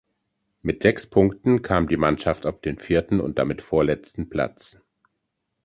Mit sechs Punkten kam die Mannschaft auf den vierten und damit vorletzten Platz.